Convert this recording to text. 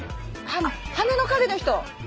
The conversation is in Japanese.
花の陰の人！